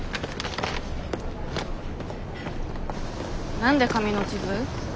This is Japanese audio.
何で紙の地図？